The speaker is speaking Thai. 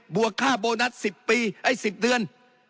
วกค่าโบนัส๑๐ปีไอ้๑๐เดือน